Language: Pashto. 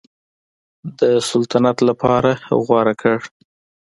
د سلطنت لپاره غوره کړ.